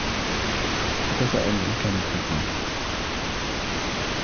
أتساءل إن كان يحبني.